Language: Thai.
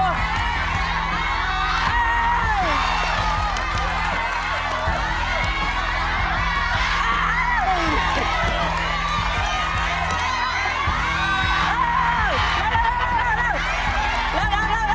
ไม่ได้เร็วเร็วจังหวะดี